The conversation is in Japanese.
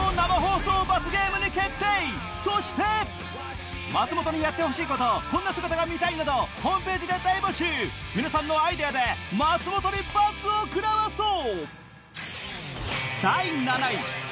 そして松本にやってほしいことこんな姿が見たい！などホームページで大募集皆さんのアイデアで松本に罰を食らわそう！